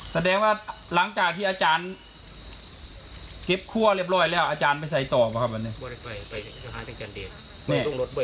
แสดงว่าหลังจากที่อาจารย์คลิปคั่วเรียบร้อยแล้วอาจารย์ไปใส่ต่อมาครับ